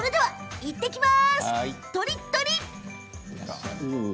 行ってきまーす！